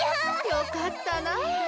よかったな。